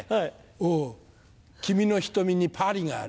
「お君の瞳にパリがある」。